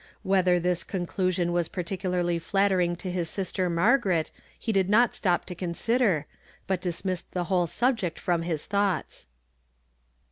Whether this conclusion was particularly flattering to his sister Margaret, he did not stop to consider, but dismissed the whole subject from his thoughts.